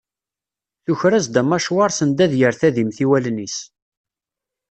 Tuker-as-d amecwar send ad yerr tadimt i wallen-is.